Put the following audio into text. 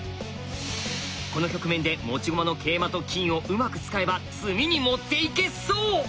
この局面で持ち駒の桂馬と金をうまく使えば詰みに持っていけそう！